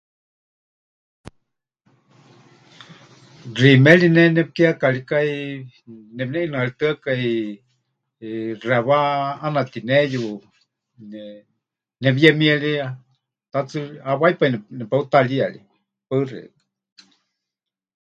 Xiimeri ne nepɨkeekaríkai, nepɨneʼinɨaritɨ́akai, eh, xewá ʼanatineyu nepɨyemie ri, ta tsɨ ri hawái pai nepetáriyarie. Paɨ xeikɨ́a.